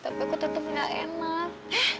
tapi aku tetap gak enak